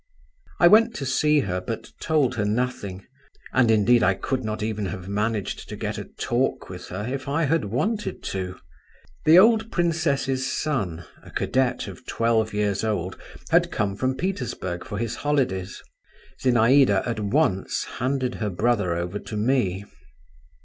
I went to see her, but told her nothing, and, indeed, I could not even have managed to get a talk with her if I had wanted to. The old princess's son, a cadet of twelve years old, had come from Petersburg for his holidays; Zinaïda at once handed her brother over to me.